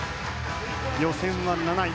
予選は７位。